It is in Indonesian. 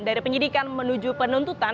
dari penyidikan menuju penuntutan